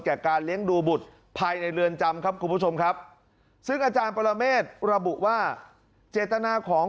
การเลี้ยงดูบุตรภายในเรือนจำครับคุณผู้ชมครับซึ่งอาจารย์ปรเมฆระบุว่าเจตนาของ